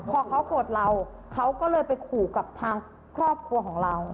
พอเขาโกรธเราเขาก็เลยไปขู่กับทางครอบครัวของเรา